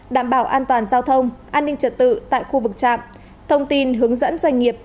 đảm bảo an toàn giao thông an ninh trật tự tại khu vực trạm thông tin hướng dẫn doanh nghiệp